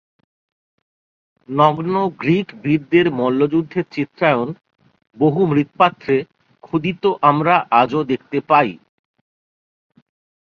নগ্ন গ্রীক বীরদের মল্লযুদ্ধের চিত্রায়ণ বহু মৃৎপাত্রে ক্ষুদিত আমরা আজও দেখতে পাই।